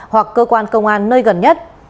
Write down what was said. hoặc cơ quan công an nơi gần nhất